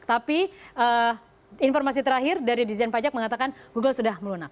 tapi informasi terakhir dari dijen pajak mengatakan google sudah melunak